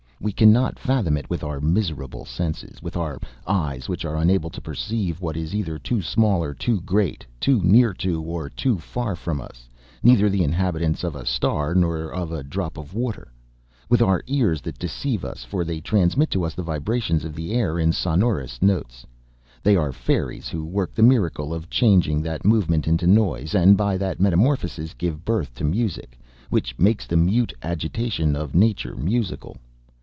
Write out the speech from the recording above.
We cannot fathom it with our miserable senses, with our eyes which are unable to perceive what is either too small or too great, too near to, or too far from us; neither the inhabitants of a star nor of a drop of water ... with our ears that deceive us, for they transmit to us the vibrations of the air in sonorous notes. They are fairies who work the miracle of changing that movement into noise, and by that metamorphosis give birth to music, which makes the mute agitation of nature musical